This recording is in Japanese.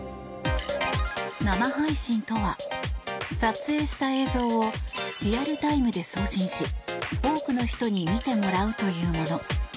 生配信とは、撮影した映像をリアルタイムで送信し多くの人に見てもらうというもの。